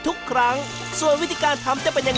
๔ตัวตัวไหนที่ดูตัวไหน